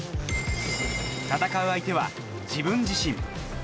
戦う相手は自分自身。